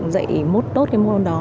dạy một đốt cái môn đó